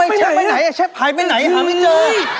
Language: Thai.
ทรายไปไหนอ่ะทรายไม่เจอ